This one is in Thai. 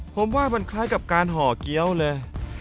ผมว่ามันคล้ายกับการห่อเกี้ยวเลย